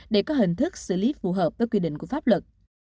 để có hình thức xử lý phù hợp với quy định của pháp luật